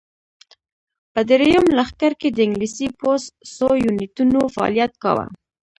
په درېیم لښکر کې د انګلیسي پوځ څو یونیټونو فعالیت کاوه.